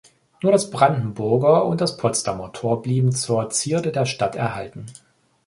Nur das Brandenburger und das Potsdamer Tor blieben zur Zierde der Stadt erhalten.